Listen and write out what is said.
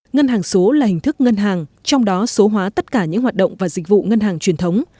ngân hàng số là hình thức ngân hàng trong đó số hóa tất cả những hoạt động và dịch vụ ngân hàng truyền thống